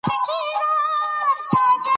که غازیان نه وای راټول سوي، ماتې به یې خوړلې وه.